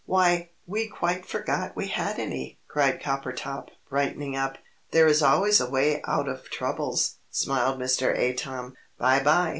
"Why, we quite forgot we had any!" cried Coppertop, brightening up. "There is always a way out of troubles," smiled Mr. Atom. "By by!"